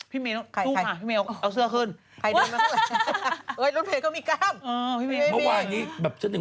พี่เมลสู้ค่ะพี่เมลเอาเสื้อขึ้น